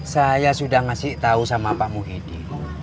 saya sudah ngasih tau sama pak muhidi